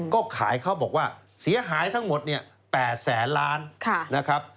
ก็ขายเขาบอกว่าเสียหายทั้งหมดเนี่ย๘แสนล้านนะครับ